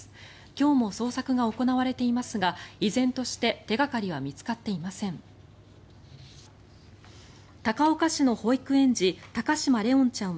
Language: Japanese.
今日も捜索が行われていますが依然として手掛かりは見つかっていません。